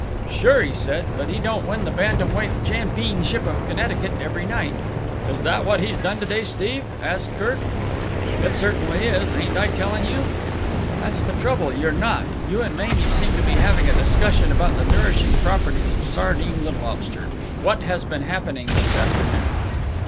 "Sure," he said, "but he don't win the bantam weight champeenship of Connecticut every night." "Is that what he's done to day, Steve?" asked Kirk. "It certainly is. Ain't I telling you?" "That's the trouble. You're not. You and Mamie seem to be having a discussion about the nourishing properties of sardines and lobster. What has been happening this afternoon?"